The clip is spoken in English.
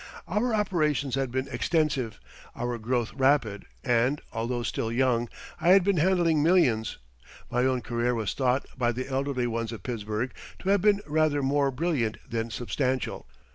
Our operations had been extensive, our growth rapid and, although still young, I had been handling millions. My own career was thought by the elderly ones of Pittsburgh to have been rather more brilliant than substantial.